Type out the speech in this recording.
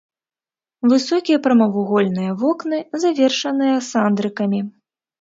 Высокія прамавугольныя вокны завершаныя сандрыкамі.